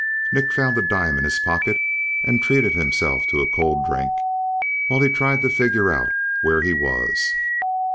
Nick found a dime in his pocket and treated himself to a cold drink, while he tried to figure out where he was.